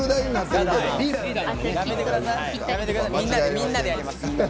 みんなでやります。